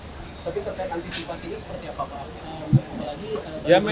tapi ketika antisipasi ini seperti apa pak